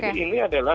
jadi ini adalah